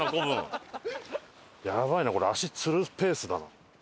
やばいなこれ足つるペースだな。